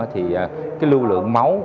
thì cái lưu lượng máu